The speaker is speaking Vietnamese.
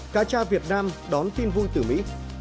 cả cha việt nam đón tin vui từ mỹ